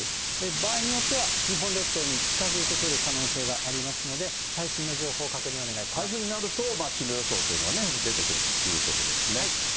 場合によっては日本列島に近づいてくる可能性がありますので、最台風になると、進路予想というのが出てくるということですね。